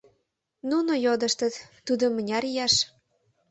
Нуно йодыштыт: «Тудо мыняр ияш?